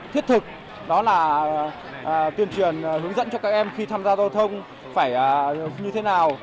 thiết thực đó là tuyên truyền hướng dẫn cho các em khi tham gia giao thông phải như thế nào